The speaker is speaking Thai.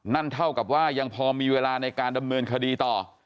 เท่ากับว่ายังพอมีเวลาในการดำเนินคดีต่อ